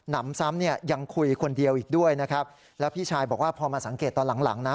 นำซ้ำเนี่ยยังคุยคนเดียวอีกด้วยนะครับแล้วพี่ชายบอกว่าพอมาสังเกตตอนหลังหลังนะ